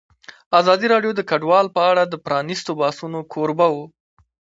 ازادي راډیو د کډوال په اړه د پرانیستو بحثونو کوربه وه.